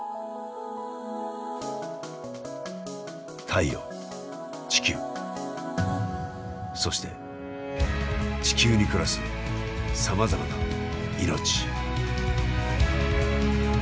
太陽地球そして地球に暮らすさまざまな命。